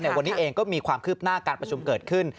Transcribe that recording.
วันนี้เองก็มีความคืบหน้าการประชุมเกิดขึ้น